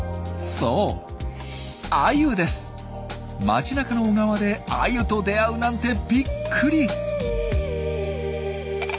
街なかの小川でアユと出会うなんてびっくり！